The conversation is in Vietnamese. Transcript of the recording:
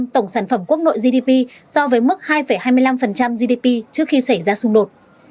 tổng sản phẩm quốc nội gdp so với mức hai hai mươi năm gdp trước khi xảy ra xung đột